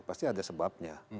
pasti ada sebabnya